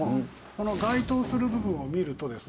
この該当する部分を見るとですね